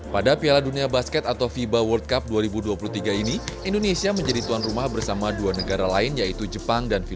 pada piala dunia basket atau fiba world cup dua ribu dua puluh tiga ini indonesia menjadi tuan rumah bersama dua negara lain yaitu jepang dan filipina